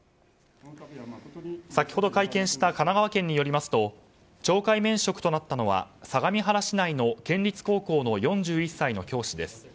先ほど会見した神奈川県によりますと懲戒免職となったのは相模原市内の県立高校の４１歳の教師です。